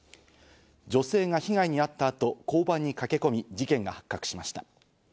女性が被害にあった後、交番に駆け込み、事件が発覚しました。